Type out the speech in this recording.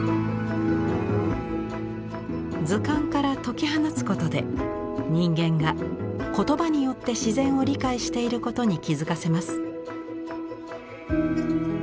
図鑑から解き放つことで人間が言葉によって自然を理解していることに気付かせます。